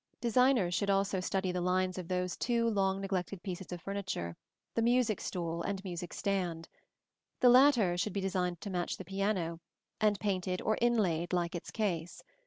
Designers should also study the lines of those two long neglected pieces of furniture, the music stool and music stand. The latter should be designed to match the piano, and painted or inlaid like its case.